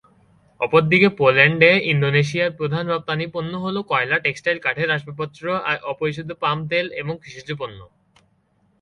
অপরদিকে, পোল্যান্ডে, ইন্দোনেশিয়ার প্রধান রপ্তানি পণ্য হল কয়লা, টেক্সটাইল, কাঠের আসবাবপত্র, অপরিশোধিত পাম তেল এবং কৃষিজ পণ্য।